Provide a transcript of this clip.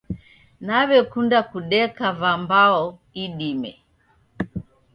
Nawekunda kudeka vambao idime